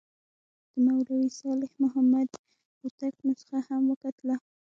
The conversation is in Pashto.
د مولوي صالح محمد هوتک نسخه هم وکتله.